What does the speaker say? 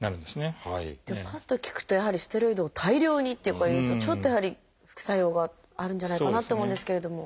でもぱっと聞くとやはりステロイドを大量にとかいうとちょっとやはり副作用があるんじゃないかなって思うんですけれども。